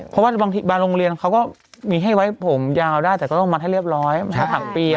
เพราะว่าบางทีบางโรงเรียนเขาก็มีให้ไว้ผมยาวได้แต่ก็ต้องมัดให้เรียบร้อยหักปี